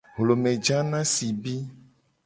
Hlome ja na sibi.